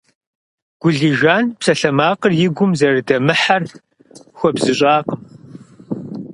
Гулижан псалъэмакъыр и гум зэрыдэмыхьэр хуэбзыщӀакъым.